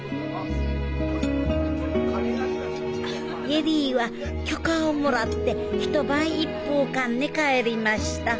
恵里は許可をもらって一晩一風館に帰りました。